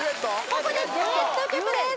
ここでデュエット曲です